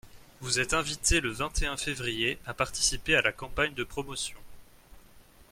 Vous êtes invités le vingt et un février à participer à la campagne de promotion.